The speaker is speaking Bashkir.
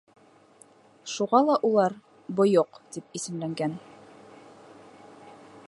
Шуға ла улар «бойоҡ» тип исемләнгән.